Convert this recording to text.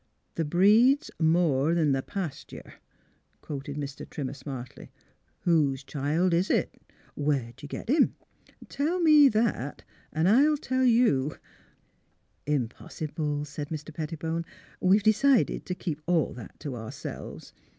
'' The breed's more'n the pastur'," quoted Mr. Trimmer, smartly. " Whose child is it! Where 'd you git him? Tell me that, an' I'll tell you "'' Impossible," said Mr. Pettibone. " We have decided to keep all that to ourselves.